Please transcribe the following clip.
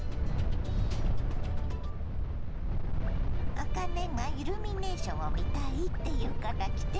あかねがイルミネーションを見たいって言うから来てみたの。